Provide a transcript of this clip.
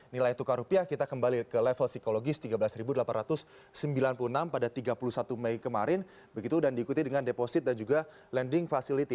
nilai tukar rupiah kita kembali ke level psikologis tiga belas delapan ratus sembilan puluh enam pada tiga puluh satu mei kemarin begitu dan diikuti dengan deposit dan juga lending facility